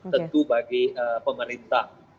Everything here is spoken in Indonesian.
tentu bagi pemerintah